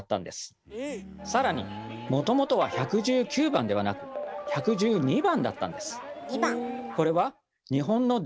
更にもともとは１１９番ではなく１１２番だったんです。